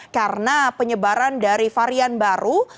karena penyebaran dari varian baru